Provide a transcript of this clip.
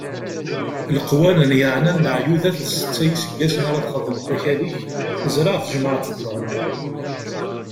Leqwanen yeɛnan leɛyudat d Setta n iseggasen ara txeddmeḍ akal-ik, zreɛ tjemɛeḍ-d lɣella.